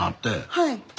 はい。